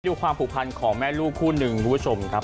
ความผูกพันของแม่ลูกคู่หนึ่งคุณผู้ชมครับ